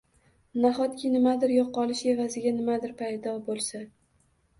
Nahotki nimadir yo‘qolishi evaziga nimadir paydo bo‘lsa?